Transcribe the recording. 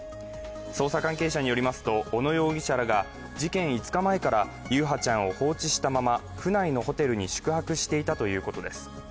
捜査関係者によりますと小野容疑者らが事件５日前から優陽ちゃんを放置したまま府内のホテルに宿泊していたということです。